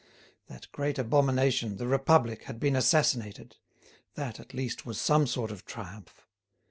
That great abomination, the Republic, had been assassinated; that, at least, was some sort of triumph.